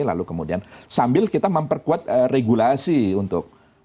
lalu kemudian sambil kita memperkuat regulasi untuk